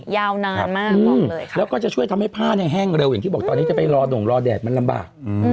ยาวนานมากแล้วก็จะช่วยทำให้ผ้าเนี่ยแห้งเร็วอย่างที่บอกตอนนี้จะไปรอด่งรอแดดมันลำบาก